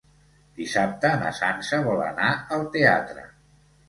Dissabte na Sança vol anar al teatre.